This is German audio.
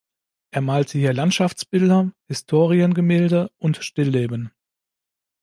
Er malte hier Landschaftsbilder, Historiengemälde und Stillleben.